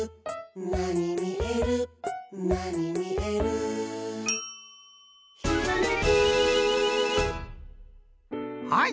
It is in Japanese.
「なにみえるなにみえる」「ひらめき」はい！